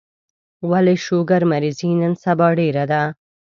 ولي شوګر مريضي نن سبا ډيره ده